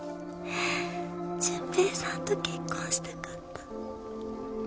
純平さんと結婚したかった。